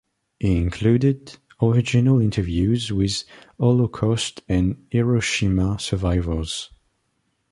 He included original interviews with Holocaust and Hiroshima survivors.